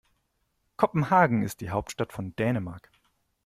Kopenhagen ist die Hauptstadt von Dänemark.